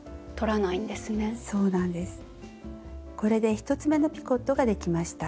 これで１つめのピコットができました。